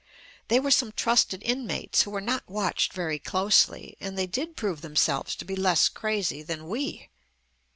They were some trusted inmates who were not watched very closely, and they did prove them selves to be less crazy than we.